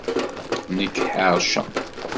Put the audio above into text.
Nekk ḥeṛceɣ.